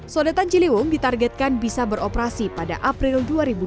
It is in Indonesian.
sodetan ciliwung ditargetkan bisa beroperasi pada april dua ribu dua puluh